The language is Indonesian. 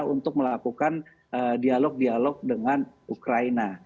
untuk melakukan dialog dialog dengan ukraina